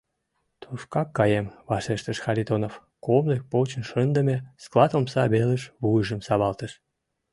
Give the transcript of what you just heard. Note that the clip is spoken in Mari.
— Тушкак каем, — вашештыш Харитонов, комдык почын шындыме склад омса велыш вуйжым савалтыш.